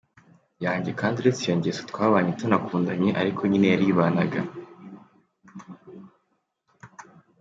yanjye kandi uretse iyo ngeso twabanye tunakundanye ariko nyine yaribanaga.